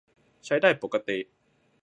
ใช้ได้ปกติ